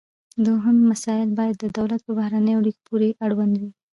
دوهم مسایل باید د دولت په بهرنیو اړیکو پورې اړوند وي